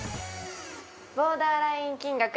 ボーダーライン金額